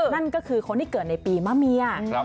นั่นก็คือคนที่เกิดในปีมะเมีย